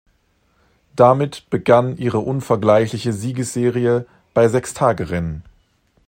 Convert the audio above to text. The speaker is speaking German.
Damit begann ihre unvergleichliche Siegesserie bei Sechstagerennen.